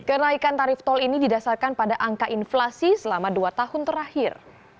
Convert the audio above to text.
kenaikan tarif tol ini didasarkan pada angka inflasi selama dua tahun terakhir